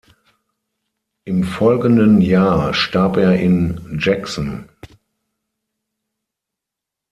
Im folgenden Jahr starb er in Jackson.